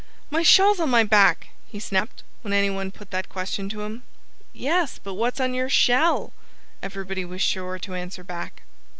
"My shell's on my back!" he snapped, when any one put that question to him. "Yes but what's on your shell?" everybody was sure to answer back.